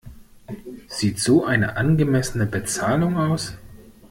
Sieht so eine angemessene Bezahlung aus?